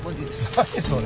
何それ。